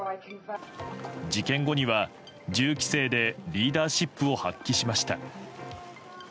事件後には、銃規制でリーダーシップを発揮しました。